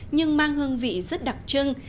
nhưng mang hương vị rất đặc trưng